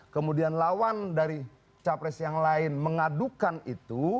kemudian lawan dari capres yang lain mengadukan itu